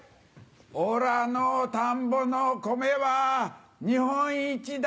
おらの田んぼのコメは日本一だ。